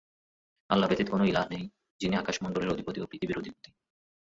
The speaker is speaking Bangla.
আল্লাহ ব্যতীত কোন ইলাহ নেই, যিনি আকাশ মণ্ডলীর অধিপতি ও পৃথিবীর অধিপতি।